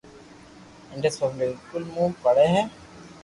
انڌس پبلڪ اسڪول مون پڙي ھي